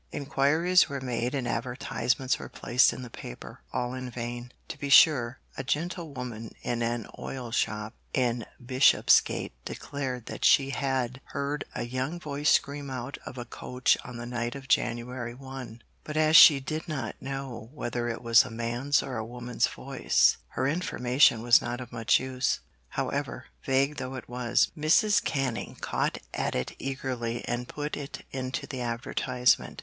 Inquiries were made and advertisements were placed in the paper; all in vain. To be sure, a 'gentlewoman in an oil shop' in Bishopsgate declared that she had heard a 'young voice scream out of a coach' on the night of January 1; but as she 'did not know whether it was a man's or a woman's voice,' her information was not of much use. However, vague though it was, Mrs. Canning caught at it eagerly and put it into the advertisement.